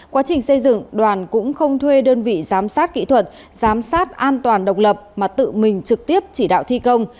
quá trình xây dựng đoàn cũng không thuê đơn vị giám sát kỹ thuật giám sát an toàn độc lập mà tự mình trực tiếp chỉ đạo thi công